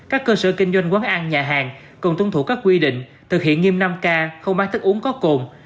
các cơ sở kinh doanh quán ăn nhà hàng cần tuân thủ các quy định thực hiện nghiêm năm k không mang thức uống có cồn